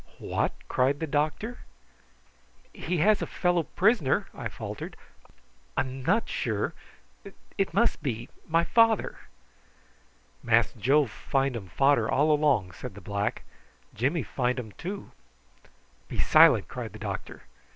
"What?" cried the doctor. "He has a fellow prisoner," I faltered. "I am not sure it must be my father!" "Mass Joe find um fader all along," said the black. "Jimmy find um too." "Be silent!" cried the doctor.